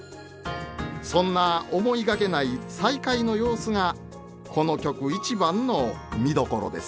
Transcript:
そんな思いがけない再会の様子がこの曲一番の見どころです。